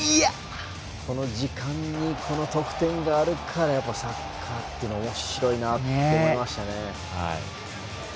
この時間帯に得点があるからサッカーっておもしろいなと思いましたね。